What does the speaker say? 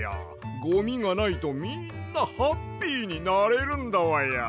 ゴミがないとみんなハッピーになれるんだわや。